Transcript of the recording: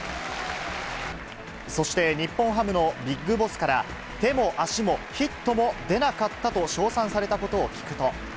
そして、日本ハムのＢＩＧＢＯＳＳから、手も足もヒットも出なかったと称賛されたことを聞くと。